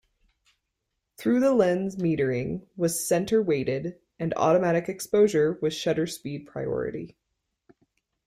Through the lens metering was center weighted and automatic exposure was shutter speed priority.